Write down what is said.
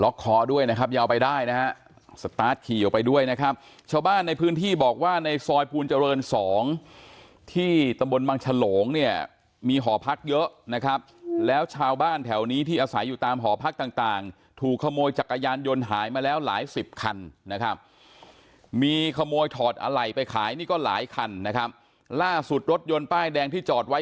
คอด้วยนะครับยาวไปได้นะฮะสตาร์ทขี่ออกไปด้วยนะครับชาวบ้านในพื้นที่บอกว่าในซอยภูลเจริญสองที่ตำบลบังฉลงเนี่ยมีหอพักเยอะนะครับแล้วชาวบ้านแถวนี้ที่อาศัยอยู่ตามหอพักต่างต่างถูกขโมยจักรยานยนต์หายมาแล้วหลายสิบคันนะครับมีขโมยถอดอะไหล่ไปขายนี่ก็หลายคันนะครับล่าสุดรถยนต์ป้ายแดงที่จอดไว้